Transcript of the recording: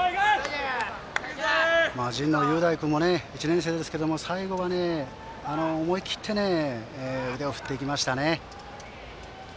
神農雄大君も１年生ですけど、最後まで思い切って腕を振っていきましたね。